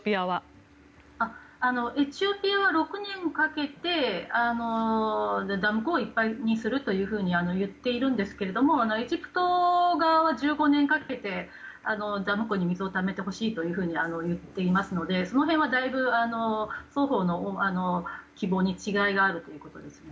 エチオピアは６年かけてダム湖をいっぱいにすると言っているんですけどエジプト側は１５年かけてダム湖に水をためてほしいと言っていますのでその辺は、だいぶ双方の希望に違いがあるということですね。